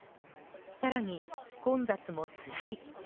更に、混雑もつらい。